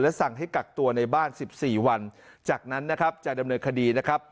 สั่งให้กักตัวในบ้าน๑๔วันจากนั้นนะครับจะดำเนินคดีนะครับ